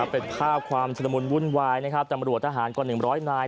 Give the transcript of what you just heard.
เป็นภาพความสนมุนวุ่นวายตำรวจทหารก่อน๑๐๐นาย